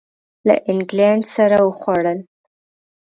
له اینګلینډ سره وخوړل.